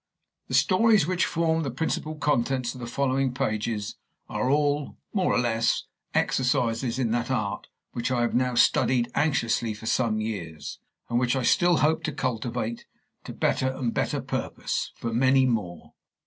The stories which form the principal contents of the following pages are all, more or less, exercises in that art which I have now studied anxiously for some years, and which I still hope to cultivate, to better and better purpose, for many more.